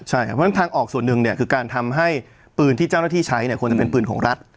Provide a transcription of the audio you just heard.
เพราะฉะนั้นทางออกส่วนหนึ่งเนี่ยคือการทำให้ปืนที่เจ้าหน้าที่ใช้เนี่ยควรจะเป็นปืนของรัฐ